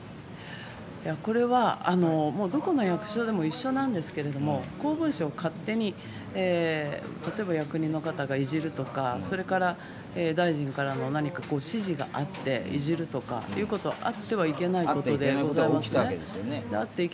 これはどこの役所も一緒なんですけど公文書を勝手に、例えば役人の方がいじるとか大臣からの何か指示があっていじるとかいうことはあってはいけないことでございますね。